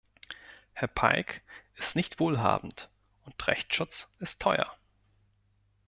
Herr Pike ist nicht wohlhabend, und Rechtsschutz ist teuer.